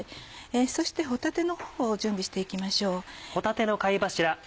そして帆立のほうを準備して行きましょう。